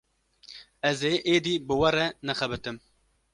Ez ê êdî bi we re nexebitim.